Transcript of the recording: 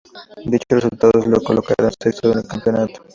Dichos resultados lo colocaron sexto en el campeonato.